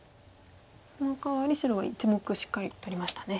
そのかわり白は１目しっかり取りましたね。